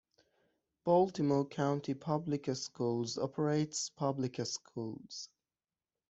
Baltimore County Public Schools operates public schools.